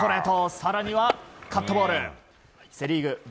更にはカットボール。